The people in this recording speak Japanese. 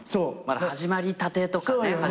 まだ始まりたてとかね。